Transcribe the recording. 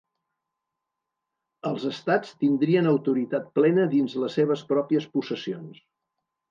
Els estats tindrien autoritat plena dins les seves pròpies possessions.